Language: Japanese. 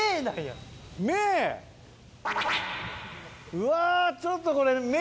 うわちょっとこれ。